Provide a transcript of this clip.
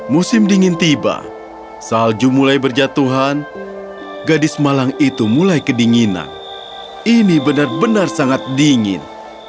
musim dingin tiba salju mulai berjatuhan gadis malang itu mulai kedinginan ini benar benar sangat dingin